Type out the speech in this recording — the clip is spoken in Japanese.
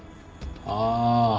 ああ。